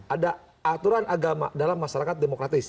ada aturan agama dalam masyarakat demokratis